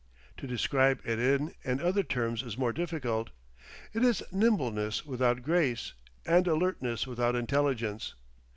To describe it in and other terms is more difficult. It is nimbleness without grace, and alertness without intelligence.